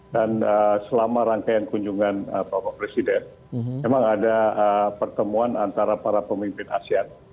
dan selama rangkaian kunjungan bapak presiden memang ada pertemuan antara para pemimpin asean